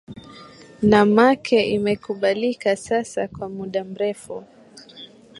namake imekubalika sasa kwa muda mrefu